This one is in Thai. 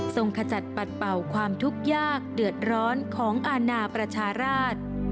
ขจัดปัดเป่าความทุกข์ยากเดือดร้อนของอาณาประชาราช